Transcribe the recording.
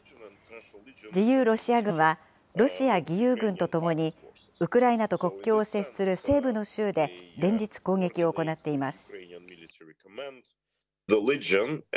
自由ロシア軍は、ロシア義勇軍と共に、ウクライナと国境を接する西部の州で、連日、攻撃を行っています。